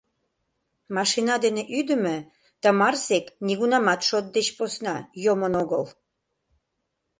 Машина дене ӱдымӧ тымарсек нигунамат шот деч посна йомын огыл.